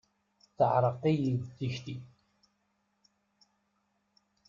Teɛreq-iyi tikli.